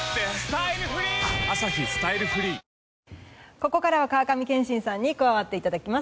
ここからは川上憲伸さんに加わっていただきます。